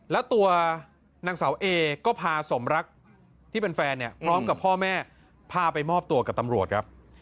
แล้วตัวนางสาวเอก็พาสมรักที่เป็นแฟนเนี่ยพร้อมกับพ่อแม่พาไปมอบตัวกับตำรวจครับ